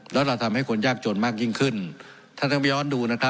แล้วเราทำให้คนยากจนมากยิ่งขึ้นท่านต้องไปย้อนดูนะครับ